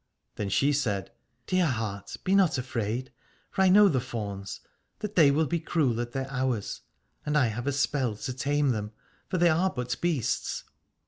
Then she said : Dear heart, be not afraid, for I know the fauns, that they will be cruel at their hours, and I have a spell to tame them, for they are but beasts.